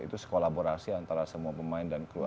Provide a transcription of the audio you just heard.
itu sekolaborasi antara semua pemain dan crew